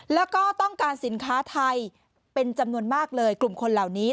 แล้วก็ต้องการสินค้าไทยเป็นจำนวนมากเลยกลุ่มคนเหล่านี้